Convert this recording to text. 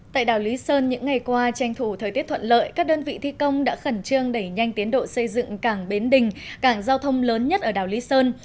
tại đảo lý sơn những ngày qua tranh thủ thời tiết thuận lợi các đơn vị thi công đã khẩn trương đẩy nhanh tiến độ xây dựng cảng bến đình cảng giao thông lớn nhất ở đảo lý sơn